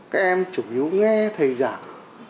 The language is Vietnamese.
các em chủ yếu nghe thầy giảng